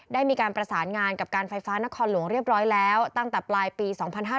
ได้มีการประสานงานกับการไฟฟ้านครหลวงเรียบร้อยแล้วตั้งแต่ปลายปี๒๕๕๙